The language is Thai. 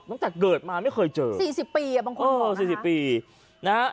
ตั้งแต่เกิดมาไม่เคยเจอสี่สิบปีอ่ะบางคนเออสี่สิบปีนะฮะ